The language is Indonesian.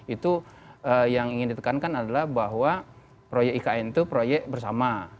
itu yang ingin ditekankan adalah bahwa proyek ikn itu proyek bersama